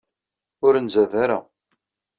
Ur nzad ara.